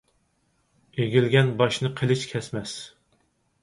ئېگىلگەن باشنى قېلىچ كەسمەس.